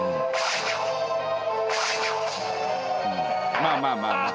まあまあまあまあ。